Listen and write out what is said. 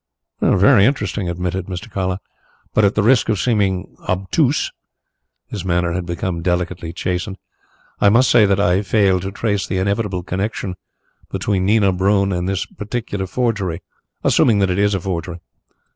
"Very interesting," admitted Mr. Carlyle; "but at the risk of seeming obtuse" his manner had become delicately chastened "I must say that I fail to trace the inevitable connexion between Nina Brun and this particular forgery assuming that it is a forgery."